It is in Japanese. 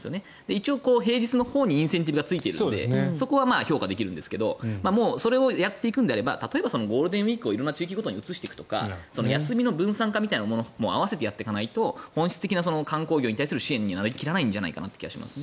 一応平日のほうにインセンティブがついているのでそこは評価できるんですがそれをやっていくならゴールデンウィークを地域ごとに移していくとか休みの分散化みたいなのも併せてやってかないと本質的な観光業の支援にはなりきらない気がします。